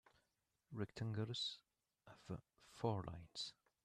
Rectangles have four lines.